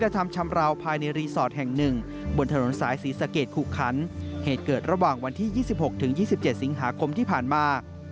ที่๒๖๒๗สิงหาคมที่ผ่านมา